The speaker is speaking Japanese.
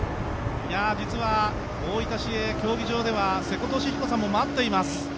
実は大分市営陸上競技場では瀬古利彦さんも待っています。